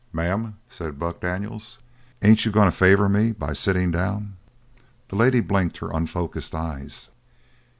"Ma'am," said Buck Daniels, "ain't you going to favor me by sittin' down?" The lady blinked her unfocused eyes.